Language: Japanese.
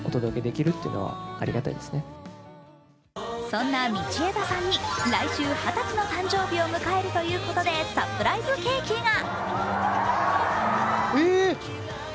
そんな道枝さんに、来週二十歳の誕生日を迎えるということでサプライズケーキが。